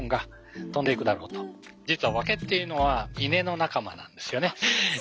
実は竹っていうのは稲の仲間なんですよね。